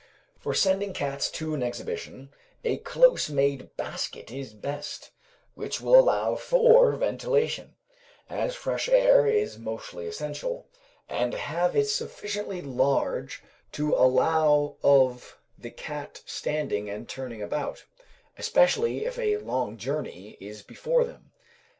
For sending cats to an exhibition, a close made basket is best, which will allow for ventilation, as fresh air is most essential; and have it sufficiently large to allow of the cat standing and turning about, especially if a long journey is before them.